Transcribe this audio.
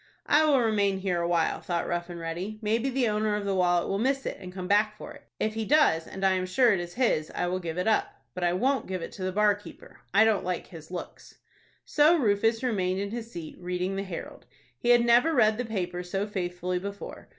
"I will remain here awhile," thought Rough and Ready. "Maybe the owner of the wallet will miss it, and come back for it. If he does, and I am sure it is his, I will give it up. But I won't give it to the bar keeper; I don't like his looks." So Rufus remained in his seat reading the "Herald." He had never read the paper so faithfully before.